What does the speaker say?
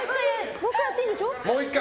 もう１回やっていいんでしょ？